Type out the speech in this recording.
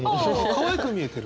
かわいく見えてる？